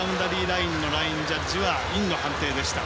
ラインジャッジはインの判定でした。